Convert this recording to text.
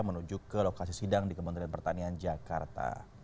menuju ke lokasi sidang di kementerian pertanian jakarta